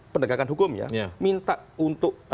penegakan hukum ya minta untuk